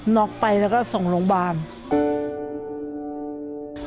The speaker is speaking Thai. ็อกไปแล้วก็ส่งโรงพยาบาลอืม